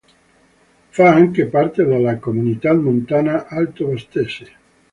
Fa anche parte della "Comunità montana Alto-Vastese".